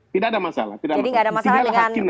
tidak ada masalah jadi tidak ada masalah dengan